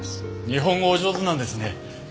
日本語お上手なんですね。